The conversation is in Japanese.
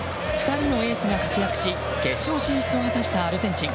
２人のエースが活躍し決勝進出を果たしたアルゼンチン。